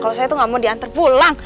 kalau saya tuh gak mau diantar pulang